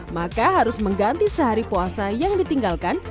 maka harus mengganti sehari puasa yang ditinggalkan